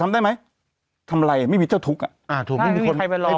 ได้ไหมทำอะไรไม่มีเจ้าทุกข์อ่ะอ่าถูกไม่มีคนใครไปร้อง